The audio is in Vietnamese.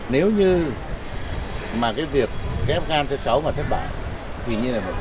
nếu như mà cái việc ghép gan thất xấu và thất bại thì như thế này